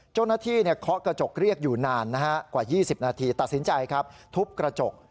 เจ้าหน้าที่เคาะกระจกเรียกอยู่นานกว่า๒๐นาทีตัดสินใจทุบกระจก